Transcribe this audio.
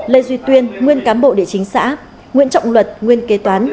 lê duy tuyên nguyên cán bộ địa chính xã nguyễn trọng luật nguyên kế toán